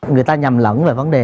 người ta nhầm lẫn về vấn đề